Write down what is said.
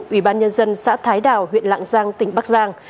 ủy ban nhân dân xã thái đào huyện lạng giang tỉnh bắc giang